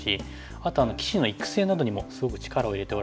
あと棋士の育成などにもすごく力を入れておられて。